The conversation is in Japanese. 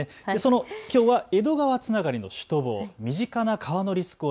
きょうは江戸川つながりのシュトボー。